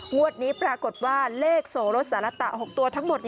งวดนี้ปรากฏว่าเลขโสรสารตะ๖ตัวทั้งหมด